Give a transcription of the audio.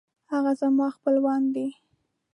هغه زما خپلوان دی